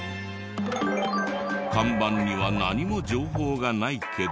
看板には何も情報がないけど。